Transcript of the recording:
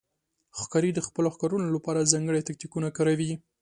ښکاري د خپلو ښکارونو لپاره ځانګړي تاکتیکونه کاروي.